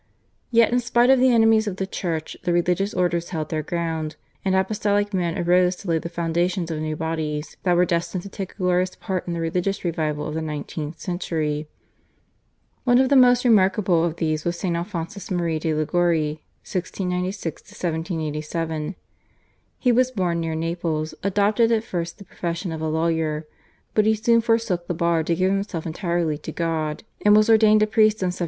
Yet in spite of the enemies of the Church the religious orders held their ground, and apostolic men arose to lay the foundations of new bodies, that were destined to take a glorious part in the religious revival of the nineteenth century. One of the most remarkable of these was St. Alphonsus Maria de' Liguori (1696 1787). He was born near Naples, adopted at first the profession of a lawyer, but he soon forsook the bar to give himself entirely to God, and was ordained a priest in 1726.